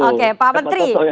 oke pak menteri